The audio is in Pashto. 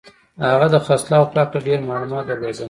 هغه د خرڅلاو په هکله ډېر معلومات درلودل